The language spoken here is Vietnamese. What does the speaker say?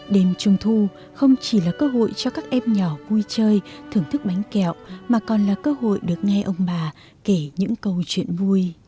đêm trung thu không chỉ là cơ hội cho các em nhỏ vui chơi thưởng thức bánh kẹo mà còn là cơ hội được nghe ông bà kể những câu chuyện vui